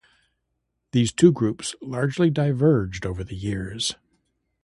These two groups largely diverged over the years.